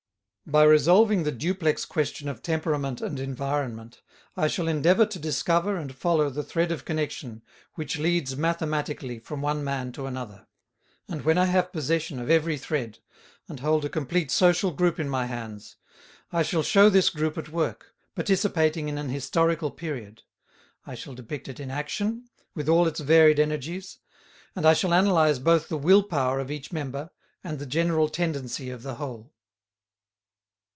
By resolving the duplex question of temperament and environment, I shall endeavour to discover and follow the thread of connection which leads mathematically from one man to another. And when I have possession of every thread, and hold a complete social group in my hands, I shall show this group at work, participating in an historical period; I shall depict it in action, with all its varied energies, and I shall analyse both the will power of each member, and the general tendency of the whole.